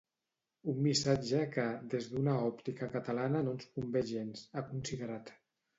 Un missatge que "des d'una òptica catalana no ens convé gens", ha considerat.